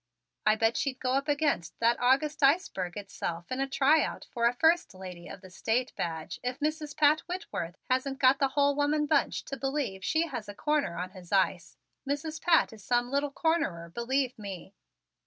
I bet she'd go up against that august iceberg itself in a try out for a 'First Lady of the State' badge if Mrs. Pat Whitworth hadn't got the whole woman bunch to believe she has a corner on his ice. Mrs. Pat is some little cornerer, believe me."